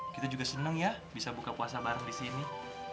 kita juga seneng ya bisa buka puasa bareng disini